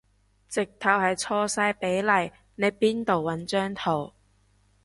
直頭係錯晒比例，你邊度搵張圖